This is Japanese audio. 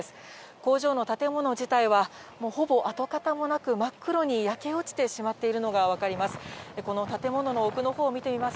工場の建物自体はもうほぼ跡形もなく、真っ黒に焼け落ちてしまっているのが分かります。